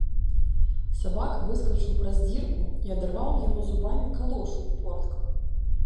Сабака выскачыў праз дзірку і адарваў яму зубамі калошу ў портках.